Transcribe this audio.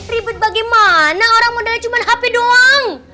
ribet bagaimana orang modelnya cuma hp doang